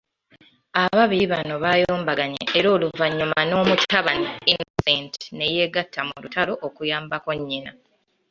Ababiri bano baayombaganye era oluvannyuma n'omutabani, Innocent, ne yeegatta mu lutalo okuyambako nnyina.